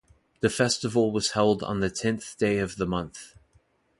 The festival was held on the tenth day of the month.